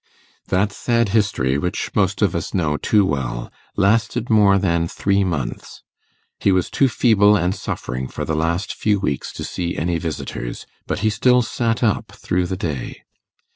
That sad history which most of us know too well, lasted more than three months. He was too feeble and suffering for the last few weeks to see any visitors, but he still sat up through the day.